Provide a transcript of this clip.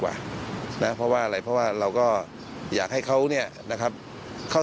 กว่านะเพราะว่าอะไรเพราะว่าเราก็อยากให้เขาเนี่ยนะครับเข้า